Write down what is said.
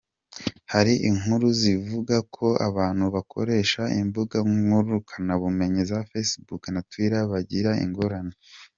Hari inkuru zivuga ko abantu bakoresha imbuga ngurukanabumenyi za Facebook na twiteer bagira ingorane.